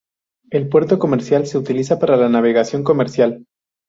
El puerto occidental se utiliza para la navegación comercial.